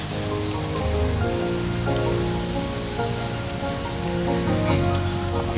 ini hanya luka kecil pak